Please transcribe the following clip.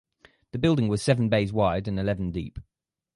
The building was seven bays wide and eleven deep.